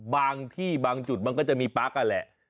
บางที่บางจุดมันก็จะมีปั๊กนั่นแหละ